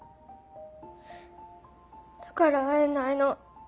だから会えないの。